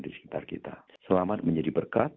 di sekitar kita selamat menjadi berkat